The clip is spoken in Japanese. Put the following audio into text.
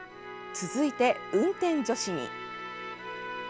続いて、運転助士に。